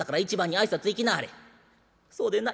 「そうでんな。